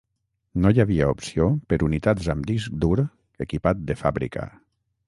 No hi havia opció per unitats amb disc dur equipat de fàbrica.